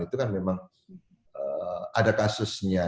itu kan memang ada kasusnya